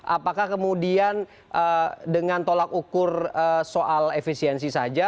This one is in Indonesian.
apakah kemudian dengan tolak ukur soal efisiensi saja